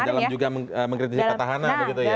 itu dalam juga mengkritisi katahana begitu ya